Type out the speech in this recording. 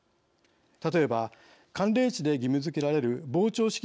例えば、寒冷地で義務づけられる膨張式